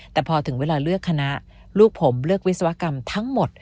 แต่พอถึงเวลาเลือกคณะลูกผมเลือกวิศวกรรมทั้งหมด